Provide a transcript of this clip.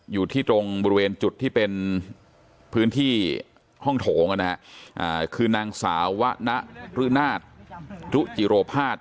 อยู่ที่ตรงบริเวณจุดที่เป็นพื้นที่ห้องโถงคือนางสาววะนะฤนาศรุจิโรภาษ